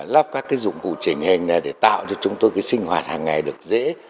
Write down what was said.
lắp các cái dụng cụ chỉnh hình này để tạo cho chúng tôi sinh hoạt hàng ngày được dễ